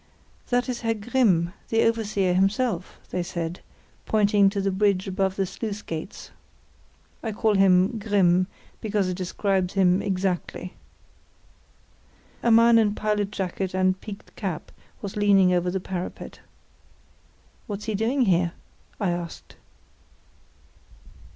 "That is Herr Grimm, the overseer himself," they said, pointing to the bridge above the sluice gates. (I call him "Grimm" because it describes him exactly.) A man in a pilot jacket and peaked cap was leaning over the parapet. "What's he doing here?" I asked.